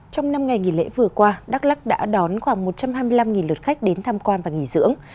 trong năm ngày nghỉ lễ vừa qua đắk lắc đã đón khoảng một trăm hai mươi năm lượt khách đến tham quan và nghỉ dưỡng